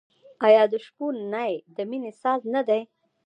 آیا د شپون نی د مینې ساز نه دی؟